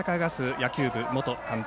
野球部元監督